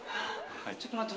ちょっと待って。